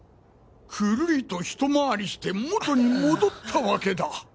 くるりとひと回りして元に戻ったわけだ。